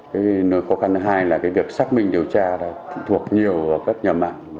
cái khó khăn thứ hai là việc xác minh điều tra thuộc nhiều vào các nhà mạng